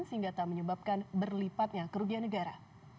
sehingga tak menyebabkan berlipatnya kerugian negara